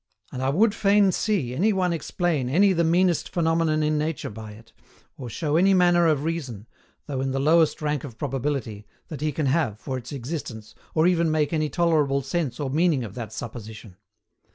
And I would fain see any one explain any the meanest phenomenon in nature by it, or show any manner of reason, though in the lowest rank of probability, that he can have for its existence, or even make any tolerable sense or meaning of that supposition.